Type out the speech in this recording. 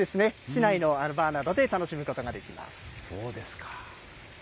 市内のバーなどで楽しむことがでそうですか。